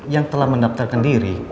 yang telah mendaftarkan diri